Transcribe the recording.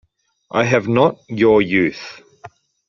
I have not your youth.